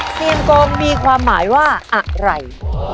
เชียงโกงมีความหมายว่าอะไหล่